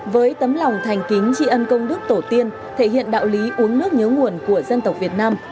với tấm lòng thành kính tri ân công đức tổ tiên thể hiện đạo lý uống nước nhớ nguồn của dân tộc việt nam